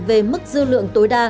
về mức dư lượng tối đa